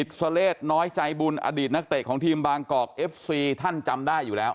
ซาเลสน้อยใจบุญอดีตนักเตะของทีมบางกอกเอฟซีท่านจำได้อยู่แล้ว